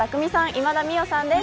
今田美桜さんです。